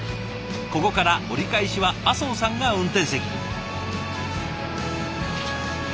ここから折り返しは麻生さんが運転席に。